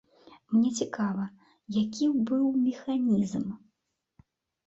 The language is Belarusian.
Мне цікава, які быў механізм?